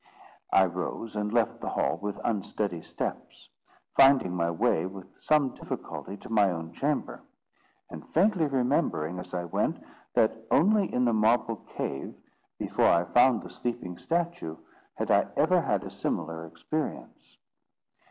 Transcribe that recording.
I rose and left the hall with unsteady steps, finding my way with some difficulty to my own chamber, and faintly remembering, as I went, that only in the marble cave, before I found the sleeping statue, had I ever had a similar experience.